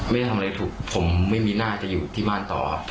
ไม่ได้ทำอะไรถูกผมไม่มีหน้าจะอยู่ที่บ้านต่อครับ